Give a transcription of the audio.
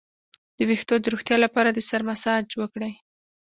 د ویښتو د روغتیا لپاره د سر مساج وکړئ